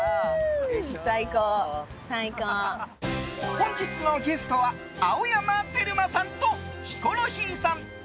本日のゲストは青山テルマさんとヒコロヒーさん。